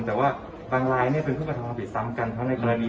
แต่ว่าบางลายเป็นผู้การสงครามผิดซ้ำกันทั้งในประมาณนี้